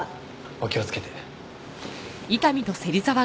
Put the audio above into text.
お気をつけて。